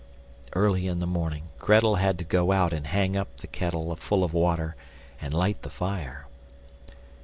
Early in the morning Grettel had to go out and hang up the kettle full of water, and light the fire.